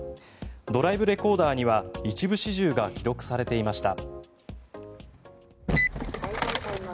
ドライブレコーダーには一部始終が記録されていました。